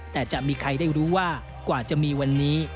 แต่จะมีใครได้รู้ว่ากว่าจะมีวันนี้